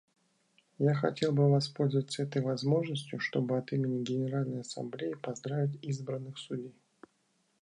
Я хотел бы воспользоваться этой возможностью, чтобы от имени Генеральной Ассамблеи поздравить избранных судей.